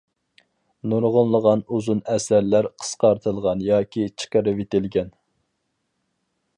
نۇرغۇنلىغان ئۇزۇن ئەسەرلەر قىسقارتىلغان ياكى چىقىرىۋېتىلگەن.